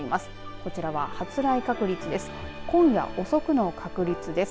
こちらは発雷確率です。